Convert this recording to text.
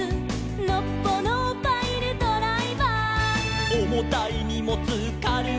「のっぽのパイルドライバー」「おもたいにもつかるがるあげる」